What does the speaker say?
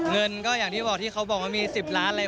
เงินก็อย่างที่บอกที่เขาบอกว่ามี๑๐ล้านอะไร